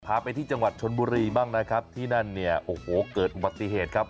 พาไปที่จังหวัดชนบุรีบ้างนะครับที่นั่นเนี่ยโอ้โหเกิดอุบัติเหตุครับ